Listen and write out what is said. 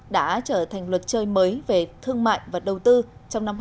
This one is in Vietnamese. đã trở thành luật chơi mới về thương mại và đầu tư trong năm hai nghìn hai mươi